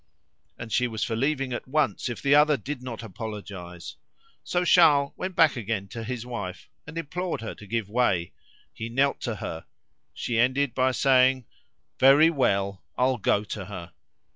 And she was for leaving at once if the other did not apologise. So Charles went back again to his wife and implored her to give way; he knelt to her; she ended by saying "Very well! I'll go to her."